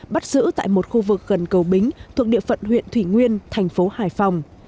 bắt giữ tại một khu vực gần cầu bính thuộc địa phận huyện thủy nguyên thành phố hải phòng